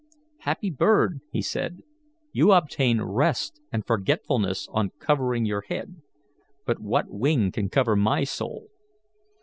"Happy bird!" he said, "you obtain rest and forgetfulness on covering your head; but what wing can cover my soul?